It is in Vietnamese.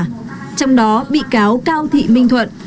trong đó bị cáo cao thị minh thuận